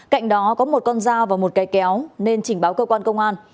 cạnh đó có một con dao và một cây kéo nên trình báo cơ quan công an